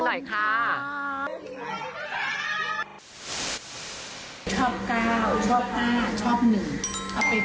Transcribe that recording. ชอบกาวชอบป้าชอบหนึ่ง